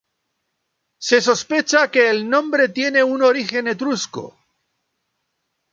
Se sospecha que el nombre tiene un origen etrusco.